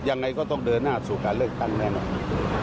ยังไงก็ต้องเดินหน้าสู่การเลือกตั้งแน่นอน